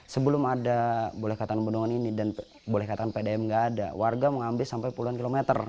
sebelum ada boleh katakan bendungan ini dan boleh katakan pdm nggak ada warga mengambil sampai puluhan kilometer